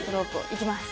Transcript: いきます！